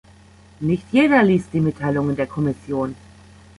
Nicht jeder liest die Mitteilungen der Kommission.